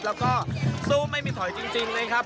แล้วก็สู้ไม่มีถอยจริงนะครับ